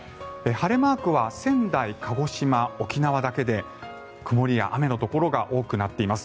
晴れマークは仙台、鹿児島、沖縄だけで曇りや雨のところが多くなっています。